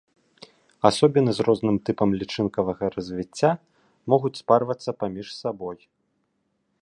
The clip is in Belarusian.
Асобіны з розным тыпам лічынкавага развіцця могуць спарвацца паміж сабой.